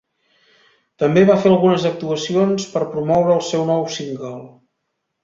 També va fer algunes actuacions per promoure el seu nou single.